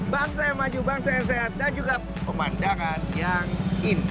bangsa yang maju bangsa yang sehat dan juga pemandangan yang indah